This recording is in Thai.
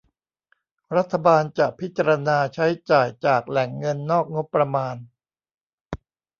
รัฐบาลจะพิจารณาใช้จ่ายจากแหล่งเงินนอกงบประมาณ